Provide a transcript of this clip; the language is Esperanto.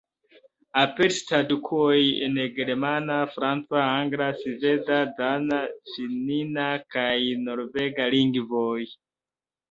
Aperis tradukoj en germana, franca, angla, sveda, dana, finna kaj norvega lingvoj.